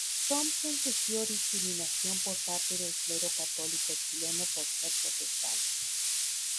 Thompson sufrió discriminación por parte del clero católico chileno por ser protestante.